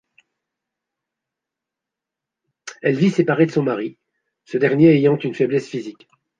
Elle vit séparée de son mari, ce dernier ayant une faiblesse physique.